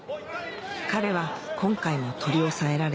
彼は今回も取り押さえられ